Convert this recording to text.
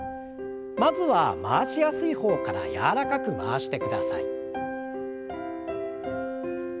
まずは回しやすい方から柔らかく回してください。